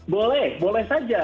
boleh boleh saja